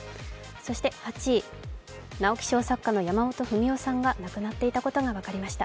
そして８位、直木賞作家の山本文緒さんが亡くなっていたことが分かりました。